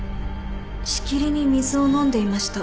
しきりに水を飲んでいました。